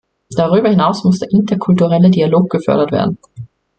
Darüber hinaus muss der interkulturelle Dialog gefördert werden.